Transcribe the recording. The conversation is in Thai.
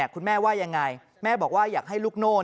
คุณแม่ว่ายังไงแม่บอกว่าอยากให้ลูกโน่น